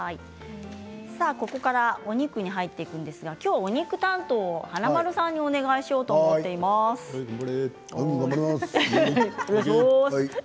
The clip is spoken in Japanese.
ここからお肉に入っていくんですが今日お肉担当は華丸さんにお願いしようと頑張れ。